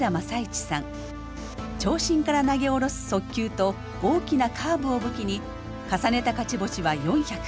長身から投げ下ろす速球と大きなカーブを武器に重ねた勝ち星は４００。